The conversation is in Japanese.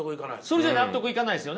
それじゃ納得いかないですよね。